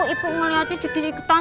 ibu melihatnya jadi ikutan